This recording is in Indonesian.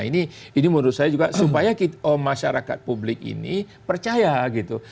nah ini menurut saya juga supaya masyarakat publik ini percaya gitu